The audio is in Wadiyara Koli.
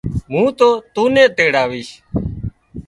تو مُون تون نين تيڙاويش